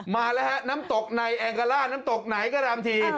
มาแล้วฮะน้ำตกในแองการ่าน้ำตกไหนก็ตามที